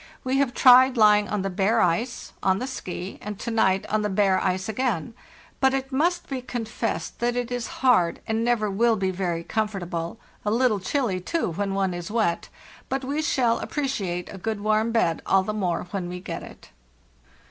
We have tried lying on the bare ice, on the 'ski, and to night on the bare ice again; but it must be confessed that it is hard and never will be very comfortable; a little chilly, too, when one is wet; but we shall appreci ate a good warm bed all the more when we get it.